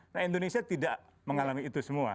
nah indonesia tidak mengalami itu semua